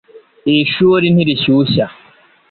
Iri shuri ntirishyushya